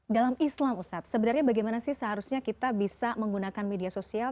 dalam islam ustadz sebenarnya bagaimana sih seharusnya kita bisa menggunakan media sosial